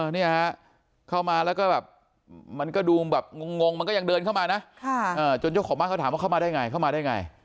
เนี่ยฮะเข้ามาแล้วก็แบบมันก็ดูแบบงงมันก็ยังเดินเข้ามานะจนเจ้าของบ้านเขาถามว่าเข้ามาได้ไงเข้ามาได้ไง